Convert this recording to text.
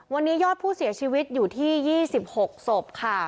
วันนี้ยอดผู้เสียชีวิตอยู่ที่๒๖ศพค่ะ